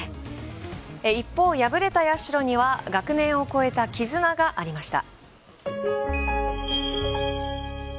一方、敗れた社には学年を超えた絆がありました。